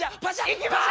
いきます！